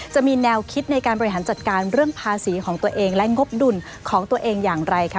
จะมีแนวคิดในการบริหารจัดการเรื่องภาษีของตัวเองและงบดุลของตัวเองอย่างไรค่ะ